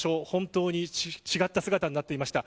本当に違った姿になっていました。